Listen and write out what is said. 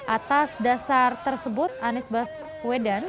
atas dasar tersebut anies baswedan